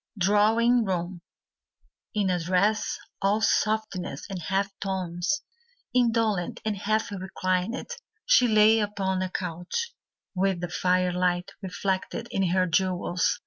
Drawing Room In a dress all softness and half tones, Indolent and half reclined, She lay upon a couch, With the firelight reflected in her jewels.